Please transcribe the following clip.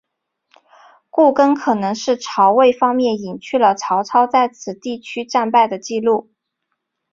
故更可能是曹魏方面隐去了曹操在此地区战败的记录。